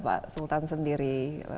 pak sultan sendiri